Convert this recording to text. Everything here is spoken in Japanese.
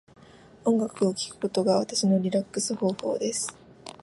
音楽を聴くことが私のリラックス方法です。